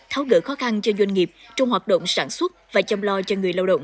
tháo gỡ khó khăn cho doanh nghiệp trong hoạt động sản xuất và chăm lo cho người lao động